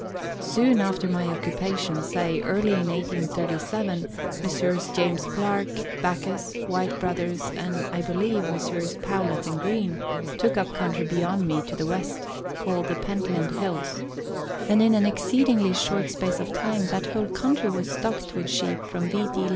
Soon after my occupation, say early in 1837, Messrs. James Clarke, Bacchus, Why te Brothers, and, I believe, Messrs. Powlett and Green, took up country beyond me to the west, called the Pentland Hills, and in an exceedingly short space of time that whole country was stocked with sheep from V. D.